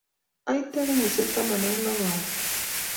Aite kenyisiek taman ak lo karon